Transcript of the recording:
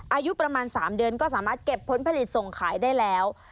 อายุประมาณ๓เดือนก็สามารถเก็บผลผลิตส่งขายได้แล้ว